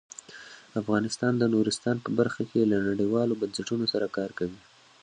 افغانستان د نورستان په برخه کې له نړیوالو بنسټونو سره کار کوي.